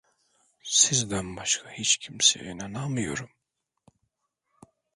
Sizden başka hiç kimseye inanamıyorum…